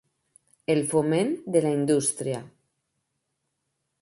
El foment de la indústria.